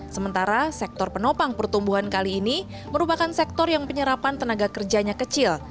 sementara sektor penopang pertumbuhan kali ini merupakan sektor yang penyerapan tenaga kerjanya kecil